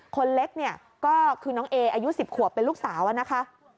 คนเล็กเนี่ยก็คือน้องเออายุ๑๐ขวบเป็นลูกสาวนะคะ